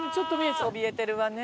そびえてるわね。